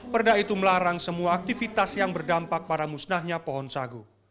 perda itu melarang semua aktivitas yang berdampak pada musnahnya pohon sagu